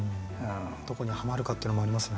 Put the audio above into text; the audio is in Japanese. どこにはまるかっていうのもありますよね。